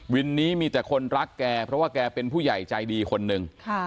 วินนี้มีแต่คนรักแกเพราะว่าแกเป็นผู้ใหญ่ใจดีคนหนึ่ง